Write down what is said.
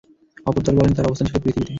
অপর দল বলেন, তার অবস্থান ছিল পৃথিবীতে।